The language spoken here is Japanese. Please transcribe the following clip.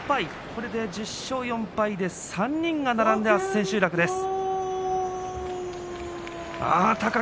これで４敗で３人が並んで千秋楽です。